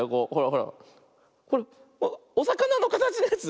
ほらおさかなのかたちのやつ。